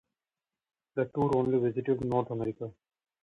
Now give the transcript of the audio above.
The tour only visited North America.